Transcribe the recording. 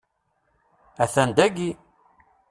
Atan dagi!